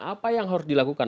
apa yang harus dilakukan